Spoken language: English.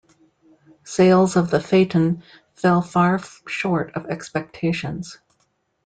Sales of the Phaeton fell far short of expectations.